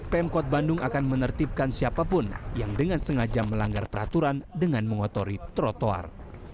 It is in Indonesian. pemkot bandung akan menertibkan siapapun yang dengan sengaja melanggar peraturan dengan mengotori trotoar